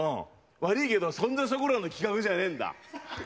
悪いけど、そんじゃそこらの企画じゃないんだ。